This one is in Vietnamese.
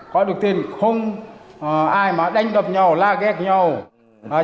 có đức tin không ai mà đánh đập nhau la ghét nhau trẻ ré nhau